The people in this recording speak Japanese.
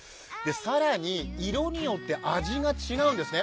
更に、色によって味が違うんですね。